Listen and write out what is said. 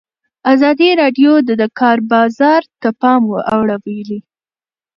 ازادي راډیو د د کار بازار ته پام اړولی.